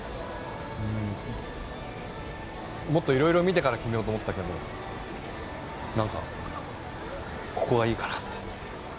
うーんもっといろいろ見てから決めようと思ったけどなんかここがいいかなって。